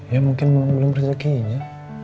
ya mungkin belum rezekinya